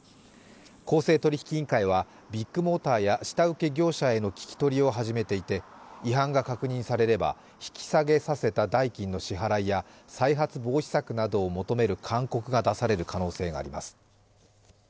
公正取引委員会は、ビッグモーターや下請け業者への聞き取りを始めていて違反が確認されれば引き下げさせた代金の支払いや再発防止策などを求める勧告が出される可能性があります。